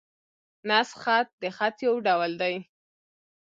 نسخ خط؛ د خط یو ډول دﺉ.